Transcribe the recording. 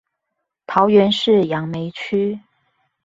桃園市楊梅區